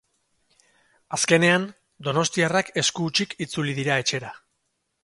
Azkenean, donostiarrak esku hutsik itzuli dira etxera.